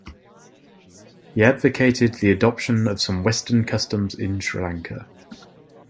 He advocated the adoption of some western customs in Sri Lanka.